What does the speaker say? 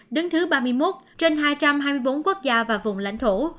đứng thứ ba mươi một trên hai trăm hai mươi bốn quốc gia và vùng lãnh thổ